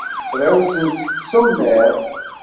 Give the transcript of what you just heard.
Frawseɣ seg usemmiḍ.